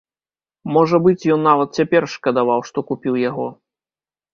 Можа быць, ён нават цяпер шкадаваў, што купіў яго.